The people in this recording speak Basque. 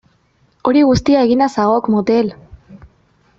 Hori guztia eginda zagok motel!